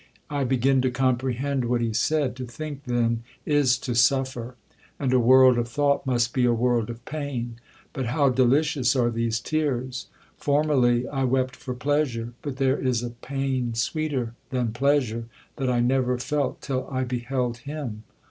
I begin to comprehend what he said—to think, then, is to suffer—and a world of thought must be a world of pain! But how delicious are these tears! Formerly I wept for pleasure—but there is a pain sweeter than pleasure, that I never felt till I beheld him.